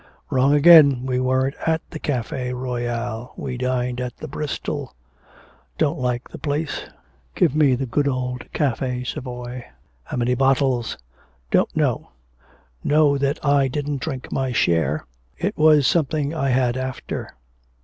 'Wrong again. We weren't at the Cafe Royal, we dined at the Bristol. Don't like the place; give me the good old Cafe Savoy.' 'How many bottles?' 'Don't know; know that I didn't drink my share. It was something I had after.'